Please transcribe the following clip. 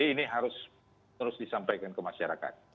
ini harus terus disampaikan ke masyarakat